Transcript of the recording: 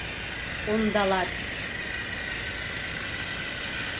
— Ондалат!